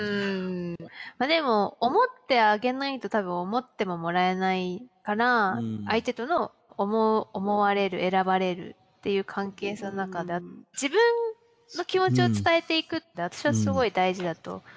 でも思ってあげないとたぶん思ってももらえないから相手との思われる選ばれるっていう関係性の中で自分の気持ちを伝えていくって私はすごい大事だと思うな。